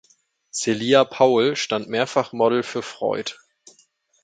Celia Paul stand mehrfach Modell für Freud.